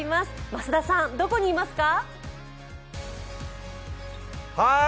増田さん、どこにいますか。